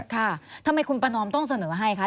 ค่ะทำไมคุณประนอมต้องเสนอให้คะ